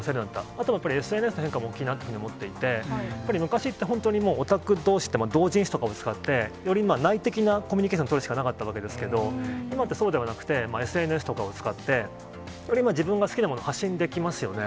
あとやっぱり、ＳＮＳの進化も大きいなと思っていて、やっぱり昔って、本当にオタクって同人誌とかを使って、内的なコミュニケーションを取るしかなかったわけですけれども、今ってそうではなくて、ＳＮＳとかを使って、より自分が好きなものを発信できますよね。